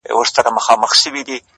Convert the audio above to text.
بيا چي يخ سمال پټيو څخه راسي-